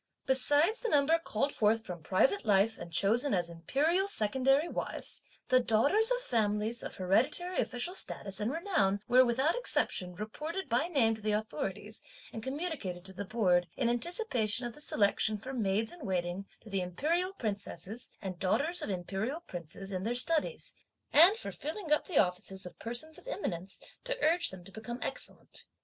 Besides the number called forth from private life and chosen as Imperial secondary wives, the daughters of families of hereditary official status and renown were without exception, reported by name to the authorities, and communicated to the Board, in anticipation of the selection for maids in waiting to the Imperial Princesses and daughters of Imperial Princes in their studies, and for filling up the offices of persons of eminence, to urge them to become excellent.